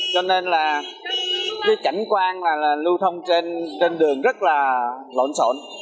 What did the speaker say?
cho nên là cảnh quan lưu thông trên đường rất là lộn xộn